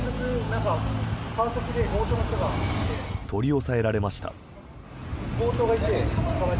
取り押さえられました。